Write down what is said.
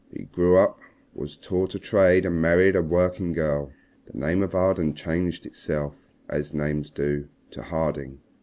He grew up, was taught a trade and married a working girl. The name of Arden changed itself, as names do, to Harding.